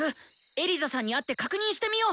エリザさんに会って確認してみよう！